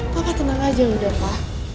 papa tenang aja udah pa